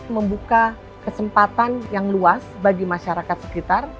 membuka kesempatan yang luas bagi masyarakat sekitar